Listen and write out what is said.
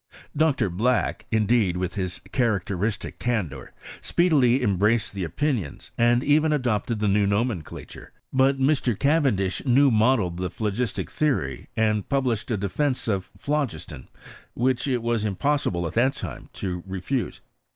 Dr. Black, indeed, with his characteristic candour, speedily embraced the opinions, and even adopted the new nomenclature: but Mr, Cavendish new modelled the phlogistic theory, and published a de fence of phlogiston, which it was impossible at iha t PR0GBBS4 07 CHEMISTRT IV FRANCE. 137 time to refute.